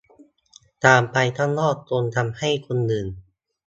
การไปข้างนอกจนทำให้คนอื่น